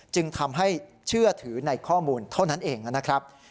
จึงทำให้เชื่อถือในข้อมูลเท่านั้นเองนะครับ